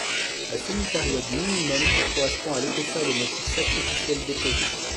La semi-période minimum correspond à l'épaisseur des motifs sacrificiels déposés.